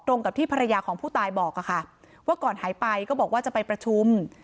ตรงกับที่ภรรยาของผู้ตายบอกค่ะว่าก่อนหายไปก็บอกว่าจะไปประชุม